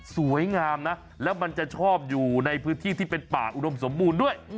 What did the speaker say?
สวยงามนะแล้วมันจะชอบอยู่ในพื้นที่ที่เป็นป่าอุดมสมบูรณ์ด้วย